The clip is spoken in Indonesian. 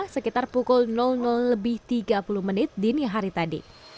sekitar pukul lebih tiga puluh menit dini hari tadi